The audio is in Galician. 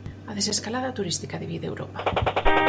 A desescalada turística divide Europa.